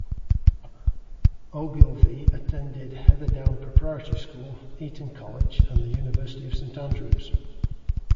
Ogilvy attended Heatherdown Preparatory School, Eton College, and the University of Saint Andrews.